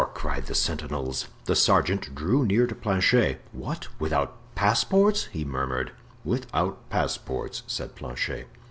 cried the sentinels. The sergeant drew near to Planchet. "What! without passports?" he murmured. "Without passports," said Planchet.